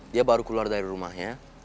dia baru keluar dari rumahnya